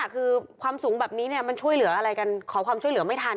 คือความสูงแบบนี้มันช่วยเหลืออะไรกันขอความช่วยเหลือไม่ทัน